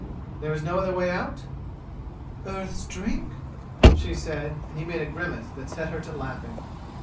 There is no other way out?" "Earth's Drink!" she said, and he made a grimace that set her to laughing.